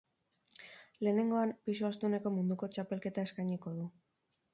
Lehenengoan, pisu astuneko munduko txapelketa eskainiko du.